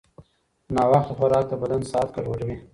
ناوخته خوراک د بدن ساعت ګډوډوي.